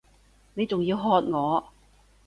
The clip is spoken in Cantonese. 你仲要喝我！